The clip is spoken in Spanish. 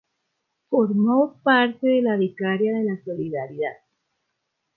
Formó parte de la Vicaría de la Solidaridad.